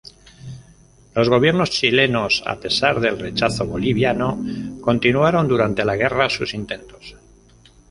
Los gobiernos chilenos, a pesar del rechazo boliviano, continuaron durante la guerra sus intentos.